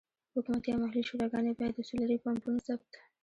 حکومت یا محلي شوراګانې باید د سولري پمپونو ثبت.